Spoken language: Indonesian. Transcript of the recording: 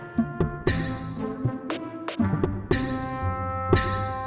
panjang lebih jauh